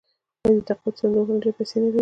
آیا د تقاعد صندوقونه ډیرې پیسې نلري؟